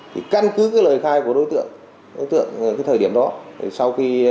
thì chúng tôi cũng đã